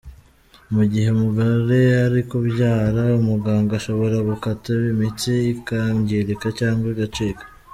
Mu gihe umugore ari kubyara, umuganga ashobora gukata imitsi ikangirika cyangwa igacika.